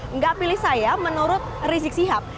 enggak pilih saya menurut rizik sihab